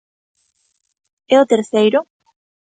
E o terceiro?